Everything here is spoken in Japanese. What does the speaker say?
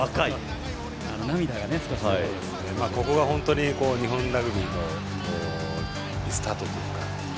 ここが本当に、日本ラグビーのリスタートというか。